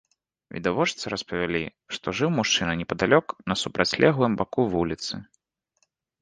Відавочцы распавялі, што жыў мужчына непадалёк на супрацьлеглым баку вуліцы.